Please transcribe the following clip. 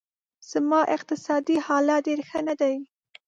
زما اقتصادي حالت ډېر ښه نه دی